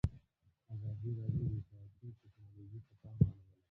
ازادي راډیو د اطلاعاتی تکنالوژي ته پام اړولی.